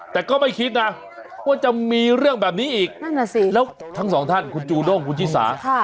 แต่ก็ไม่คิดนะว่าจะมีเรื่องแบบนี้อีกนั่นแหละสิแล้วทั้งสองท่านคุณจูด้งคุณชิสา